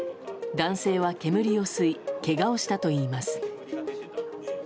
男性は煙を吸いけがをしたといいます。